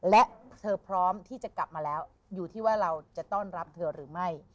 และเธอพร้อมที่จะกลับมาแล้วอยู่ที่ว่าเราจะต้อนรับเธอหรือไม่